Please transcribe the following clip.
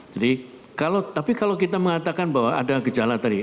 jadi kalau tapi kalau kita mengatakan bahwa ada gejala tadi